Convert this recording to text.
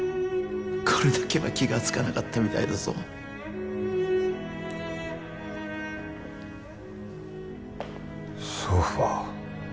これだけは気がつかなかったみたいだぞソファー？